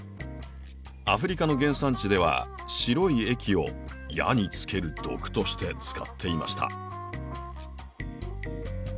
アフリカの原産地では白い液を矢につける毒として使っていました。